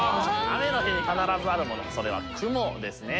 雨の日に必ずあるものそれは雲ですね。